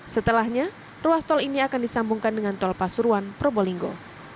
setelahnya ruas tol ini akan disambungkan dengan tol pasuruan probolinggo